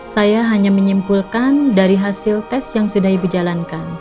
saya hanya menyimpulkan dari hasil tes yang sudah ibu jalankan